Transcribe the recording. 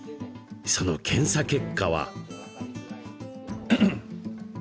その検査結果は？